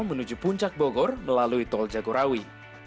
menuju puncak bogor melalui tol jagorawi